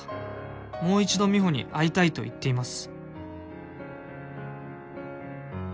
「もう１度美帆に会いたいと言っています」